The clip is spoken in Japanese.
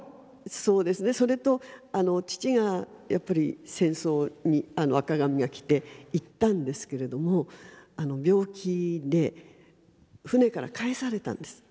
そうですねそれと父がやっぱり戦争に赤紙が来て行ったんですけれども病気で船から帰されたんです。